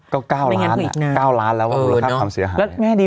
ก็๙ล้านอ่ะ๙ล้านแล้วว่าคุณครับความเสียหายแม่งั้นก็อีกหน้า